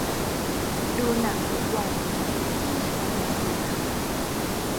ดูหนังทุกวัน ที่ชวนมาดูหนัง